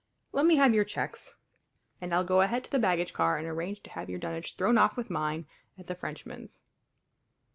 "Let me have your checks and I'll go ahead to the baggage car and arrange to have your dunnage thrown off with mine at the Frenchman's."